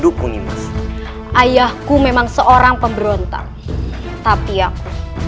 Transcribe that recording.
aku bisa lebih mudah menjalankan rencanaku